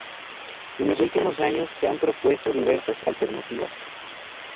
En los últimos años se han propuesto diversas alternativas.